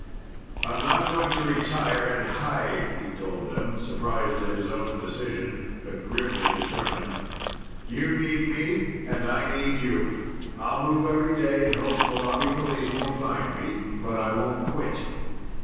"I'm not going to retire and hide," he'd told them, surprised at his own decision, but grimly determined. "You need me and I need you. I'll move every day in hopes the Lobby police won't find me, but I won't quit."